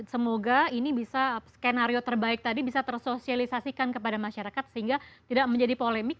semoga ini bisa skenario terbaik tadi bisa tersosialisasikan kepada masyarakat sehingga tidak menjadi polemik